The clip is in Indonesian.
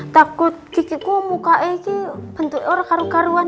takut kikiku muka ini bentuk orang karuan karuan